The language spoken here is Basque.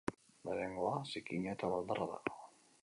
Lehenengoa zikina eta baldarra da.